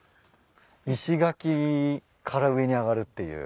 石垣から上に上がるっていう。